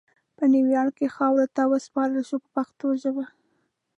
په نیویارک کې خاورو ته وسپارل شو په پښتو ژبه.